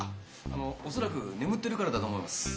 あのおそらく眠ってるからだと思います。